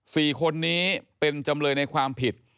สี่คนนี้เป็นจำเลยในความผิด